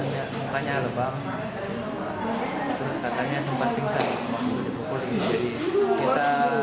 luka lebam terus katanya sempat pingsan